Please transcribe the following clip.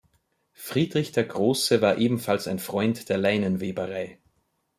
Friedrich der Große war ebenfalls ein Freund der Leinenweberei.